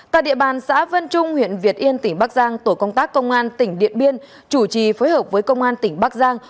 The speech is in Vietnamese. tại địa bàn xã vân trung huyện việt yên tỉnh bắc giang tổ công tác công an tỉnh điện biên chủ trì phối hợp với công an tỉnh bắc giang